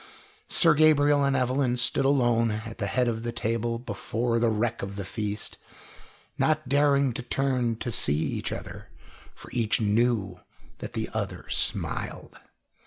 Sir Gabriel and Evelyn stood alone at the head of the table before the wreck of the feast, not daring to turn to see each other, for each knew that the other smiled.